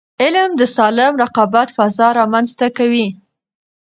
علم د سالم رقابت فضا رامنځته کوي.